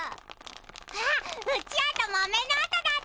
あっうちわとまめのおとだったのね。